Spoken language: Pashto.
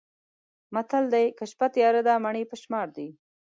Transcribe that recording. متل دی: که شپه تیاره ده مڼې په شمار دي.